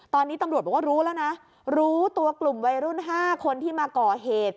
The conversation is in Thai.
ตอนนี้ตำรวจบอกว่ารู้แล้วนะรู้ตัวกลุ่มวัยรุ่น๕คนที่มาก่อเหตุ